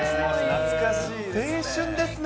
懐かしいですね。